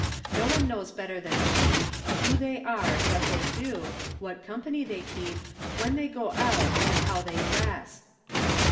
No one knows better than she, who they are, what 'they do, what company they keep, when they go out, and how they dress.